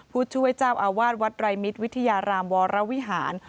ผู้ช่วยเจ้าอาวาสวัดไรมิตรวิทยารามวรวิหาร